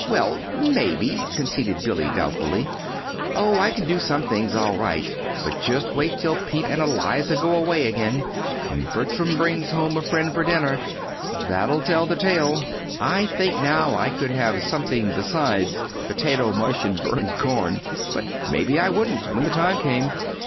"Well, maybe," conceded Billy, doubtfully. "Oh, I can do some things all right; but just wait till Pete and Eliza go away again, and Bertram brings home a friend to dinner. That'll tell the tale. I think now I could have something besides potato mush and burned corn but maybe I wouldn't, when the time came.